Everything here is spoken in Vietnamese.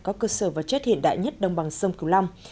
có cơ sở và chất hiện đại nhất đông bằng sông cửu long